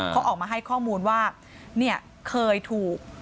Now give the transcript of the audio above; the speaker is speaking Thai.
เขาออกมาให้ข้อมูลว่าเนี่ยเคยถูก